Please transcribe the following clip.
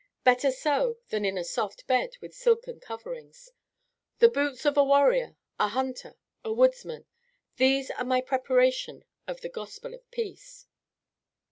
Better so than in a soft bed with silken coverings. The boots of a warrior, a hunter, a woodsman, these are my preparation of the gospel of peace.